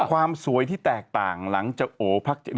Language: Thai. ความสวยที่แตกต่างหลังจากพทางจะแกล้ง